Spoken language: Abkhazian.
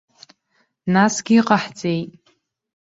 Насгьы иҟаҳҵеит.